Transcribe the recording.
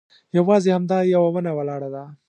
یوازې همدا یوه ونه ولاړه ده.